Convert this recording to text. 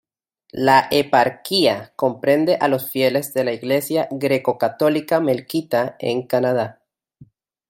La eparquía comprende a los fieles de la Iglesia greco-católica melquita en Canadá.